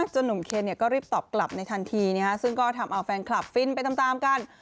จนหนุ่มเคนเนี้ยก็รีบตอบกลับในทันทีเนี้ยฮะซึ่งก็ทำเอาแฟนคลับฟินไปตามตามกัน